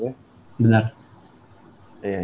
iya iya berarti bentar ya